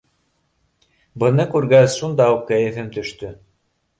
Быны күргәс, шунда уҡ кәйефем төштө.